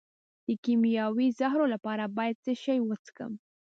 د کیمیاوي زهرو لپاره باید څه شی وڅښم؟